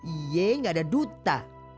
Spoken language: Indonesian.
iye nggak ada duta